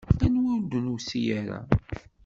Anwa ur d-nusi ara?